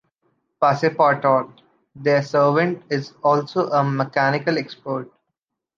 Passepartout, their servant, is also a mechanical expert.